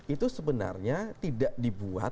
itu sebenarnya tidak dibuat